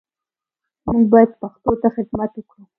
موږ باید پښتو ته خدمت وکړو